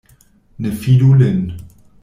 Ne fidu lin.